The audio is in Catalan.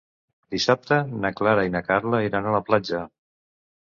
Dissabte na Clara i na Carla iran a la platja.